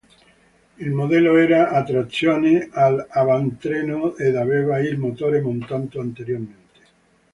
Il modello era a trazione all’avantreno ed aveva il motore montato anteriormente.